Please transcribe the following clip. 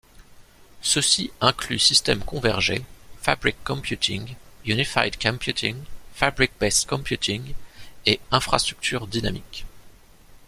Ceux-ci incluent système convergé, fabric computing, unified computing, fabric-based computing, et infrastructure dynamique.